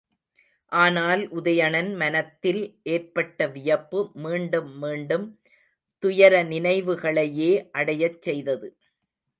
ஆனால் உதயணன் மனத்தில் ஏற்பட்ட வியப்பு மீண்டும் மீண்டும் துயர நினைவுகளையே அடையச் செய்தது.